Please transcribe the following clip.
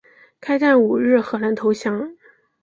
开战五日荷兰投降。